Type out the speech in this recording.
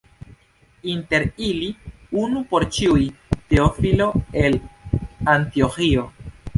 Inter ili, unu por ĉiuj, Teofilo el Antioĥio.